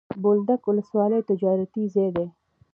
بولدک ولسوالي تجارتي ځای دی.